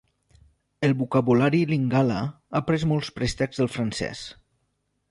El vocabulari lingala ha pres molts préstecs del francès.